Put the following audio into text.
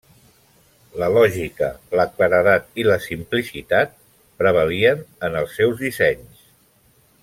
La lògica, la claredat i la simplicitat prevalien en els seus dissenys.